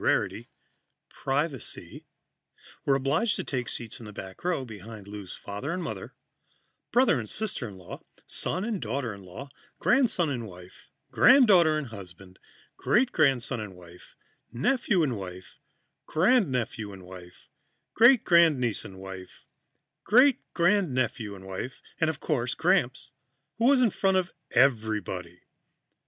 rarity privacy were obliged to take seats in the back row, behind Lou's father and mother, brother and sister in law, son and daughter in law, grandson and wife, granddaughter and husband, great grandson and wife, nephew and wife, grandnephew and wife, great grandniece and husband, great grandnephew and wife and, of course, Gramps, who was in front of everybody.